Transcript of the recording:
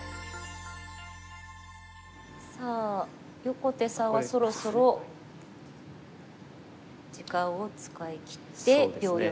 さあ横手さんはそろそろ時間を使いきって秒読みに。